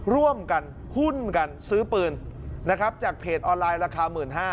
ร่วมกันหุ้นกันซื้อปืนนะครับจากเพจออนไลน์ราคา๑๕๐๐